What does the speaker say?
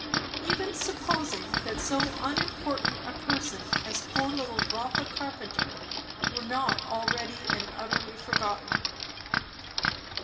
Even supposing that so unimportant a person as poor little Rotha Carpenter were not already and utterly forgotten.